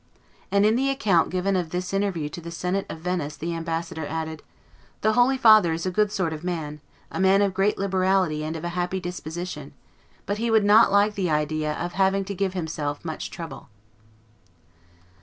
And in the account given of this interview to the Senate of Venice the ambassador added, "The holy father is a good sort of man, a man of great liberality and of a happy disposition; but he would not like the idea of having to give himself much trouble."